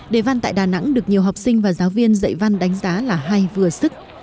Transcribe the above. đề văn tại đà nẵng được nhiều học sinh và giáo viên dạy văn đánh giá là hay vừa sức